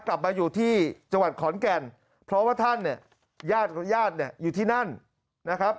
กลับมาอยู่ที่จังหวัดขอนแก่นเพราะว่าท่านเนี่ยญาติญาติเนี่ยอยู่ที่นั่นนะครับ